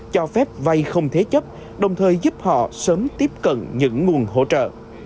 cho phép vay không thế chấp đồng thời giúp họ sớm tiếp cận những nguồn hỗ trợ